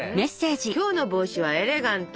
「今日の帽子はエレガント」。